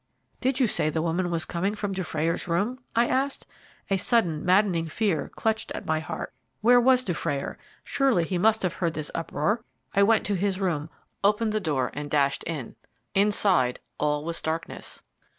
"Did you say the woman was coming from Dufrayer's room," I asked. A sudden maddening fear clutched at my heart. Where was Dufrayer? Surely he must have heard this uproar. I went to his room, opened the door, and dashed in. Inside all was darkness.